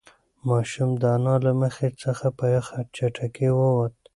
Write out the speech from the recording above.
ماشوم د انا له مخې څخه په چټکۍ ووت.